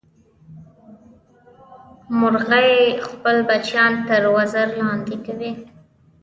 مورغۍ خپل بچیان تر وزر لاندې کوي